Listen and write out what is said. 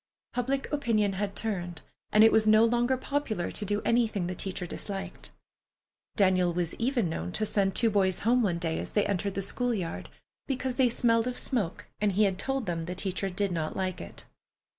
Public opinion had turned, and it was no longer popular to do anything the teacher disliked. Daniel was even known to send two boys home one day as they entered the school yard, because they smelled of smoke and he had told them the teacher did not like it.